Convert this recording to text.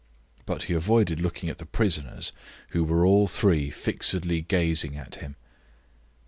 But he avoided looking at the prisoners, who were all three fixedly gazing at him.